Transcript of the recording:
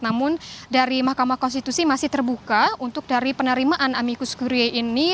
namun dari mahkamah konstitusi masih terbuka untuk dari penerimaan amikus kurie ini